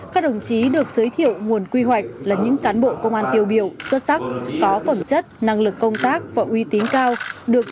các đồng chí được giới thiệu nguồn quy hoạch là những cán bộ công an tiêu biểu xuất sắc có phẩm chất năng lực công tác và uy tín cao